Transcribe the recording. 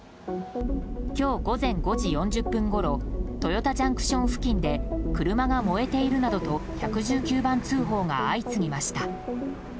今日午前５時４０分ごろ豊田ＪＣＴ付近で車が燃えているなどと１１９番通報が相次ぎました。